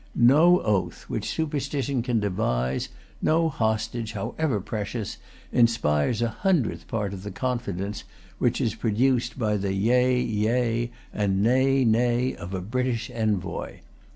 No oath which superstition can devise, no hostage however precious, inspires a hundredth part of the confidence which is produced by the "yea, yea," and "nay, nay," of a British envoy.